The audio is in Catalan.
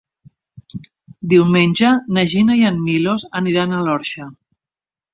Diumenge na Gina i en Milos aniran a l'Orxa.